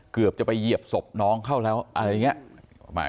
เกือบจะไปเหยียบศพน้องเข้าแล้วอะไรอย่างนี้